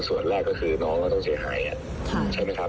ส่วนแรกก็คือน้องก็ต้องเสียหายใช่ไหมครับ